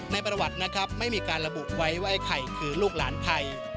ในประวัตินะครับไม่มีการระบุไว้ว่าไอ้ไข่คือลูกหลานไทย